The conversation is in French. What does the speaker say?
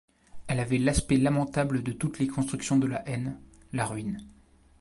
Elle avait l’aspect lamentable de toutes les constructions de la haine, la ruine.